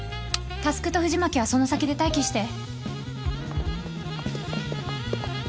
匡と藤巻はその先で待機して。